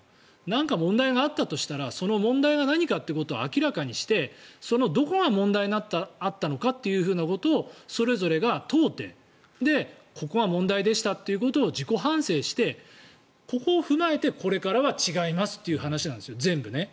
何か問題があったとしたらその問題が何かということを明らかにしてそのどこに問題があったのかということをそれぞれが問うてここが問題でしたということを自己反省してここを踏まえてこれからは違いますという話なんです全部ね。